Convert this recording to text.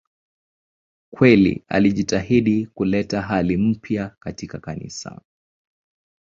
Kweli alijitahidi kuleta hali mpya katika Kanisa.